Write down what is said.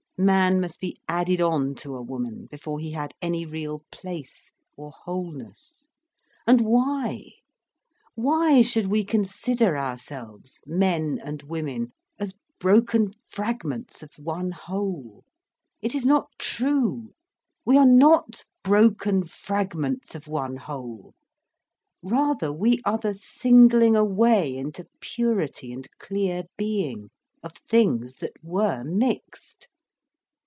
Man must be added on to a woman, before he had any real place or wholeness. And why? Why should we consider ourselves, men and women, as broken fragments of one whole? It is not true. We are not broken fragments of one whole. Rather we are the singling away into purity and clear being, of things that were mixed.